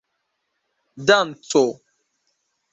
danco